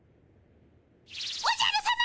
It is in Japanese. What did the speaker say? おじゃるさま！